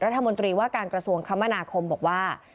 รัฐมนตรีว่าการกระทรวงคมนาคมบอกว่า